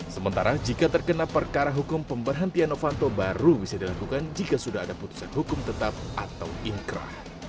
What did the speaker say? sementara jika terkena perkara hukum pemberhentian novanto baru bisa dilakukan jika sudah ada putusan hukum tetap atau inkrah